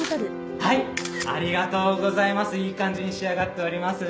・いい感じに仕上がっております。